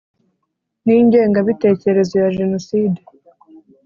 N ingengabitekerezo ya jenoside